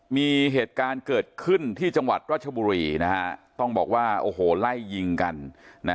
มีเหตุการณ์เกิดขึ้นที่จังหวัดราชบุรีนะฮะต้องบอกว่าโอ้โหไล่ยิงกันนะ